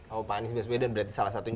oh pak anies baswedan berarti salah satunya